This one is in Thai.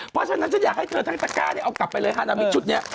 เพราะฉะนั้นฉันอยากให้เธอทั้งตะก้าเนี่ยเอากลับไปเลยฮานามิดชุดนี้